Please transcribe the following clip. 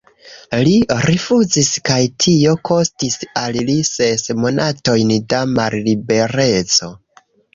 Li rifuzis, kaj tio kostis al li ses monatojn da mallibereco.